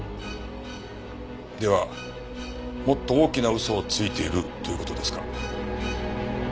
ではもっと大きな嘘をついているという事ですか？